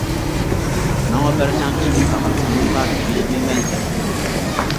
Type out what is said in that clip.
ماڭا بەرسەڭ ئىككى تاغار سامانغا تېگىشمەيمەن-دەپ كۈلىدۇ.